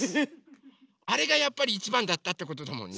あれがやっぱり一番だったってことだもんね。